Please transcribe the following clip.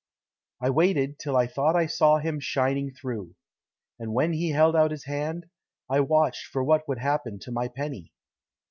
I waited, till I thought I saw Him shining through. And when he Held out his hand, I watched for what Would happen to my penny.